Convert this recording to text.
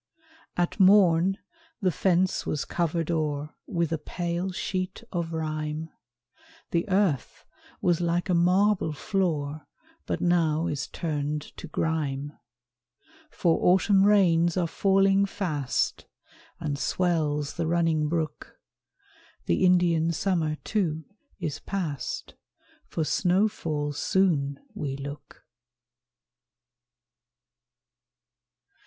At morn the fence was covered o'er With a pale sheet of rime; The earth was like a marble floor, But now is turned to grime. For Autumn rains are falling fast, And swells the running brook; The Indian Summer, too, is past; For snowfall soon we look.